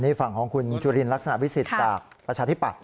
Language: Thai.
นี่ฝั่งของคุณจุลินลักษณะวิสิทธิ์จากประชาธิปัตย